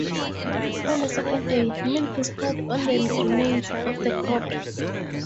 On the second day, milk is poured on the remains of the cobra.